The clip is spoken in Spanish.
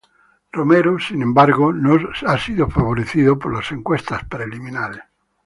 Romero sin embargo, no ha sido favorecido por las encuestas preliminares.